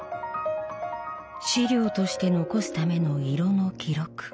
資料として残すための色の記録。